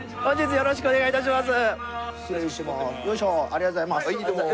よろしくお願いします。